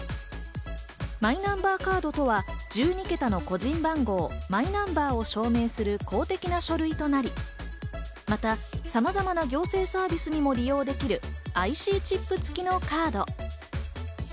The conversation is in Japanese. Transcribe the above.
マイナンバーカードとは１２桁の個人番号、マイナンバーを証明する公的な書類となり、また、さまざまな行政サービスにも利用できるＩＣチップ付きのカード。